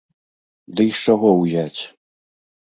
Ды й з чаго ўзяць?